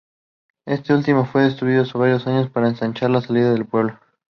Este último fue destruido hace varios años para ensanchar la salida del pueblo.